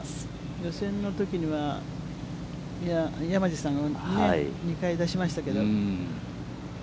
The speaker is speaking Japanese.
予選のときには、山路さんが２回、出しましたけど。